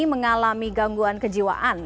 mengalami gangguan kejiwaan